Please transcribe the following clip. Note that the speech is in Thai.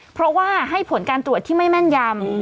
เพราะว่าให้ผลการตรวจที่ไม่แม่นยำ